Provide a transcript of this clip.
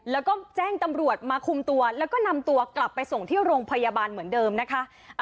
แล้วก็แจ้งตำรวจมาคุมตัวแล้วก็นำตัวกลับไปส่งที่โรงพยาบาลเหมือนเดิมนะคะ